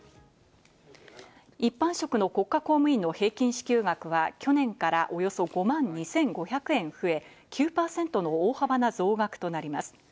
一般職の国家公務員の平均支給額は去年からおよそ５万２５００円増え、９％の大幅な増額となります。